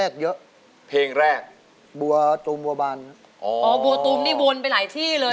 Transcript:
กำกวมด้วย